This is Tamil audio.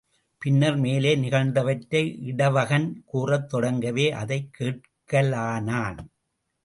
பின்னர் மேலே நிகழ்ந்தவற்றை இடவகன் கூறத் தொடங்கவே அதைக் கேட்கலானான்.